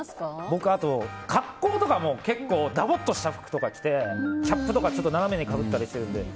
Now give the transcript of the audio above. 僕、あと格好とかもダボッとした服とか着てキャップとか斜めにかぶったりしてるので。